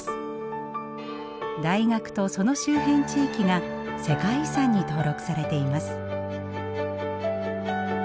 大学とその周辺地域が世界遺産に登録されています。